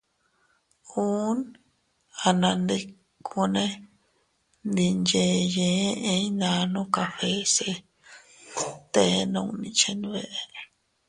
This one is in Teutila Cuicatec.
Ùu anandikuune ndi nyeyee eʼe iynannu cafèse se bte nunni chenbeʼe.